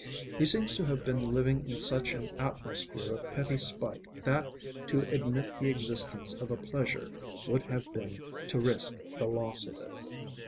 He seems to have been living in such an atmosphere of petty spite that to admit the existence of a pleasure would have been to risk the loss of it.